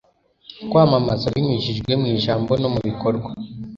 kwamamaza binyujijwe mu ijambo no mu bikorwa